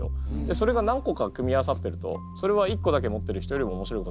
それが何個か組み合わさってるとそれは一個だけ持ってる人よりも面白いことができる。